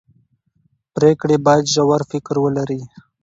پرېکړې باید ژور فکر ولري